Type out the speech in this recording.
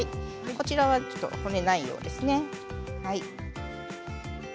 こちらは骨がないようですね。